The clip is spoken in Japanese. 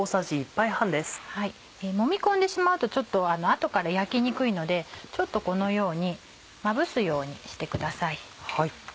もみ込んでしまうと後から焼きにくいのでちょっとこのようにまぶすようにしてください。